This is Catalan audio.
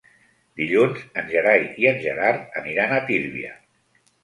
Dilluns en Gerai i en Gerard aniran a Tírvia.